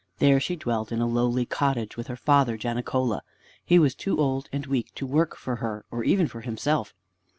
There she dwelt in a lowly cottage with her father, Janicola. He was too old and weak to work for her, or even for himself.